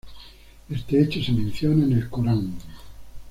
Este hecho se menciona en el Corán.